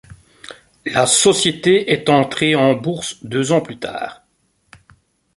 La société est entrée en bourse deux ans plus tard.